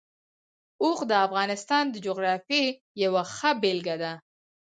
اوښ د افغانستان د جغرافیې یوه ښه بېلګه ده.